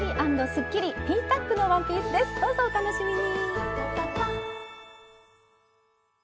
どうぞお楽しみに！